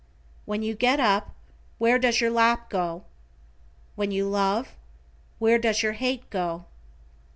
When you get up, where does your lap go? When you love, where does your hate go?